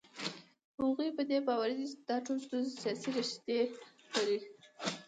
هغوی په دې باور دي چې دا ټولې ستونزې سیاسي ریښې لري.